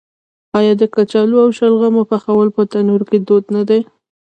آیا د کچالو او شلغم پخول په تندور کې دود نه دی؟